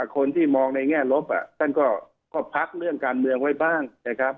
คนที่มองในแง่ลบท่านก็พักเรื่องการเมืองไว้บ้างนะครับ